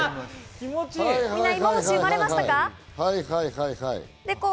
気持ち良い！